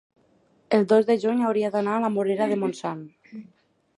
el dos de juny hauria d'anar a la Morera de Montsant.